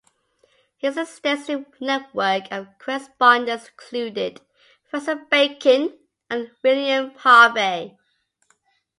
His extensive network of correspondents included Francis Bacon and William Harvey.